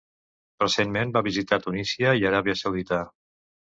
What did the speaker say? Recentment, va visitar Tunísia i Aràbia Saudita.